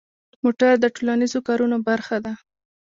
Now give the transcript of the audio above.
موټر د ټولنیزو کارونو برخه ده.